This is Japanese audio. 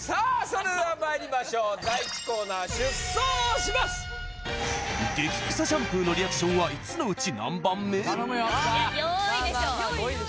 それではまいりましょうゲキ臭シャンプーのリアクションは５つのうち何番目？